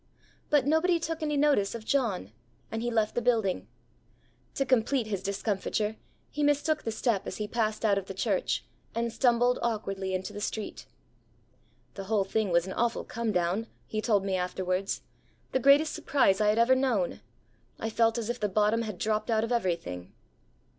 But nobody took any notice of John, and he left the building. To complete his discomfiture he mistook the step as he passed out of the church and stumbled awkwardly into the street. 'The whole thing was an awful come down,' he told me afterwards, 'the greatest surprise I had ever known. I felt as if the bottom had dropped out of everything.'